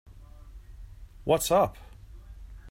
What's up?